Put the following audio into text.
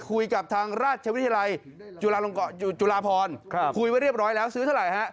คุยกับทางราชวิทยาลัยจุฬาลงจุลาพรคุยไว้เรียบร้อยแล้วซื้อเท่าไหร่ฮะ